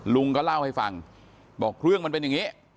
ลุงก็เล่าให้ฟังบอกเรื่องมันเป็นอย่างนี้